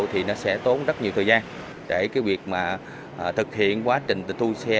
thì nó sẽ tốn rất nhiều thời gian để việc thực hiện quá trình tịch thu xe